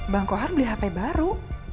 bang kohar beli hp baru